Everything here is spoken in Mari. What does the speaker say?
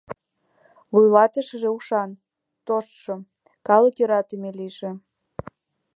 Вуйлатышыже ушан, тоштшо, калык йӧратыме лийже.